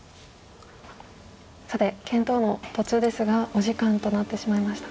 さて検討の途中ですがお時間となってしまいました。